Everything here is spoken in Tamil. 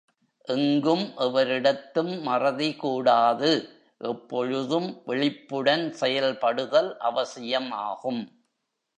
எங்கும் எவரிடத்தும் மறதி கூடாது எப்பொழுதும் விழிப்புடன் செயல்படுதல் அவசியம் ஆகும்.